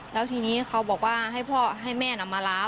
แล้วทีนี้เขาบอกว่าให้พ่อให้แม่นำมารับ